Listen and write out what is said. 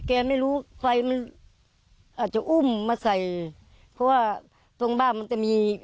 แกไม่รู้ไฟมันอาจจะอุ้มมาใส่เพราะว่าตรงบ้านมันจะมี